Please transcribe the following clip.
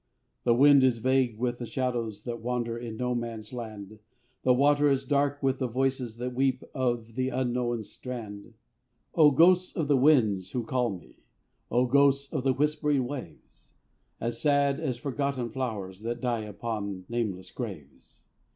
The wind is vague with the shadows That wander in No Man's Land; The water is dark with the voices That weep on the Unknown's strand. O ghosts of the winds who call me! O ghosts of the whispering waves! As sad as forgotten flowers, That die upon nameless graves!